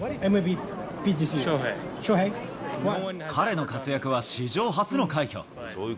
彼の活躍は史上初の快挙。